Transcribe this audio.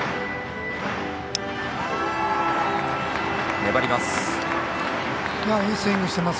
粘ります。